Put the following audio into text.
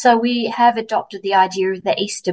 jadi kita telah mengadopsi ide peserta peserta